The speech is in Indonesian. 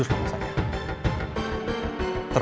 tidak ada ke magazine